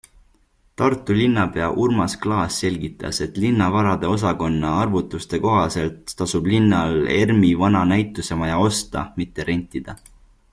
Tartu linnapea Urmas Klaas selgitas, et linnavarade osakonna arvutuste kohaselt tasub linnal ERMi vana näitusemaja osta, mitte rentida.